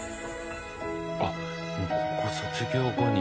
あっもう高校卒業後に。